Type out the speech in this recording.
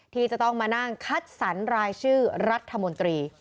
ที่จะต้องมานั่งคัดสรรรายชื่อรัฐมนตรี